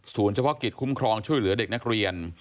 เฉพาะกิจคุ้มครองช่วยเหลือเด็กนักเรียน